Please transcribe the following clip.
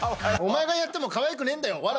お前がやってもかわいくねえんだよ。